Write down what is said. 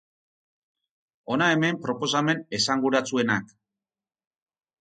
Hona hemen proposamen esanguratsuenak.